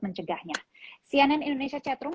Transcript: mencegahnya cnn indonesia chatroom